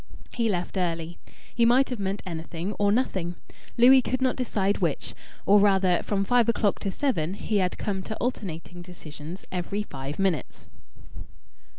He left early. He might have meant anything or nothing. Louis could not decide which; or rather, from five o'clock to seven he had come to alternating decisions every five minutes.